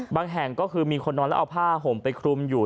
แห่งก็คือมีคนนอนแล้วเอาผ้าห่มไปคลุมอยู่